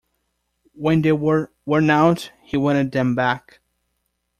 When they were worn out, he wanted them back.